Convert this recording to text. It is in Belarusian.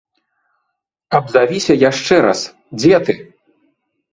Абзавіся яшчэ раз, дзе ты?